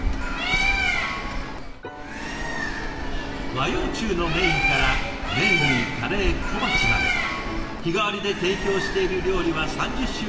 和洋中のメインから麺類カレー小鉢まで日替わりで提供している料理は３０種類以上。